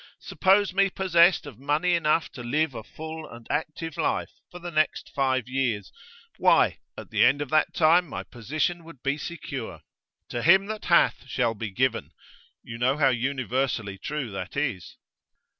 Suppose me possessed of money enough to live a full and active life for the next five years; why, at the end of that time my position would be secure. To him that hath shall be given you know how universally true that is.